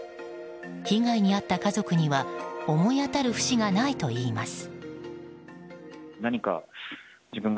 被害に遭った家族には思い当たる節がないといいます。